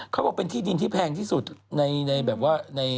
เขาบอกเป็นที่ดินที่แพงที่สุดในแบบว่า